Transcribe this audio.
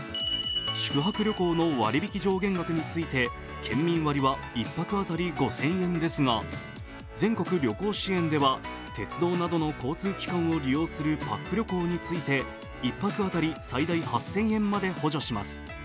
宿泊旅行の割引上限額について、県民割は１泊当たり５０００円ですが、全国旅行支援では鉄道などの交通機関を利用するパック旅行について１泊当たり最大８０００円まで補助します。